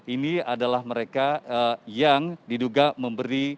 ini adalah mereka yang diduga memberi